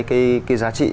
cái giá trị